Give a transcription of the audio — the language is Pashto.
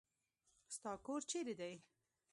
ستا کور چيري دی.